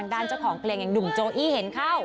ด้านเจ้าของเพลงอย่างหนุ่มโจอี้เห็นเข้า